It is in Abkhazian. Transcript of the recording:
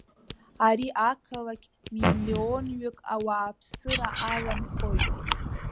Ари ақалақь миллионҩык ауааԥсыра аланхоит.